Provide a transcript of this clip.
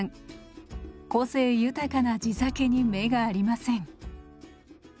個性豊かな地酒に目がありません。